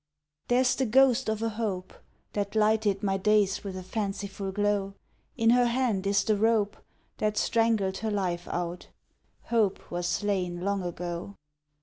There's the ghost of a Hope That lighted my days with a fanciful glow, In her hand is the rope That strangled her life out. Hope was slain long ago.